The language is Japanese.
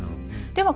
では